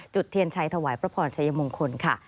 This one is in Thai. เทียนชัยถวายพระพรชัยมงคลค่ะ